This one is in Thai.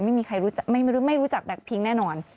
ไม่รู้จักแบล็กพิ้งแน่นอน